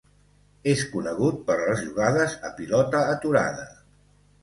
És conegut per les jugades a pilota aturada.